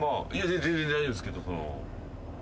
全然大丈夫っすけど。